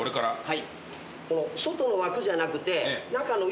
はい。